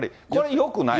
よくない。